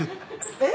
えっ！？